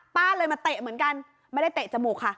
เลยมาเตะเหมือนกันไม่ได้เตะจมูกค่ะ